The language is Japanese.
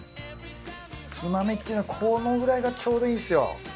つまみっていうのはこのくらいがちょうどいいんですよ。